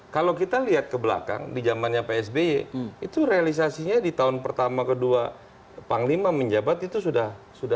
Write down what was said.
kalau kita lihat ke belakang di zamannya psby itu realisasinya di tahun pertama kedua panglima menjabat itu sudah